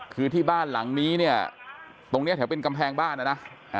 คือที่บ้านหลังนี้เนี่ยตรงนี้แถวเป็นกำแพงบ้านนะนะ